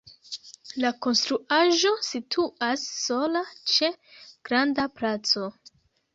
La konstruaĵo situas sola ĉe granda placo.